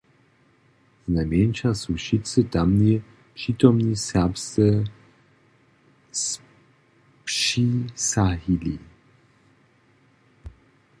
Znajmjeńša su wšitcy tamni přitomni serbsce spřisahali.